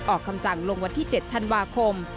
ออกคำสั่งลงวันที่๗ธันวาคม